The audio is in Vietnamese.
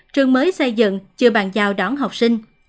trường mới xây dựng chưa bàn giao đón học sinh